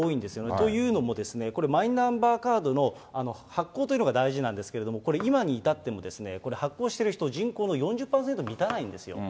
というのも、これ、マイナンバーカードの発行というのが大事なんですけれども、これ、今に至っても発行している人、人口の４０％に満たないんですよ。